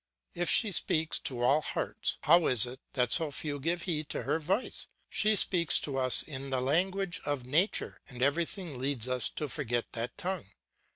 If she speaks to all hearts, how is it that so few give heed to her voice? She speaks to us in the language of nature, and everything leads us to forget that tongue.